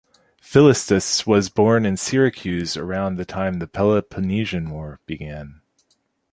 Philistus was born in Syracuse around the time the Peloponnesian War began.